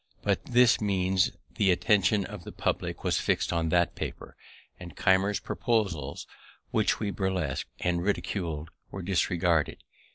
By this means the attention of the publick was fixed on that paper, and Keimer's proposals, which we burlesqu'd and ridicul'd, were disregarded.